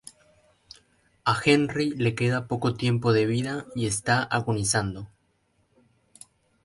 A Henry le queda poco tiempo de vida y está agonizando.